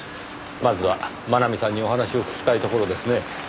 まずは真奈美さんにお話を聞きたいところですねぇ。